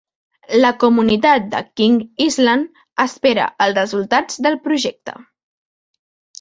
La comunitat de King Island espera els resultats del projecte.